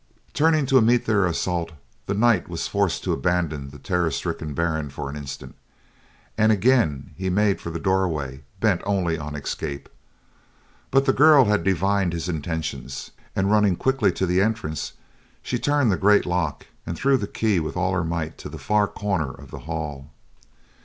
Turning to meet their assault, the knight was forced to abandon the terror stricken Baron for an instant, and again he had made for the doorway bent only on escape; but the girl had divined his intentions, and running quickly to the entrance, she turned the great lock and threw the key with all her might to the far corner of the hall.